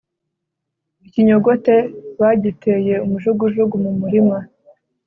ikinyogote bagiteye umujugujugu mu murima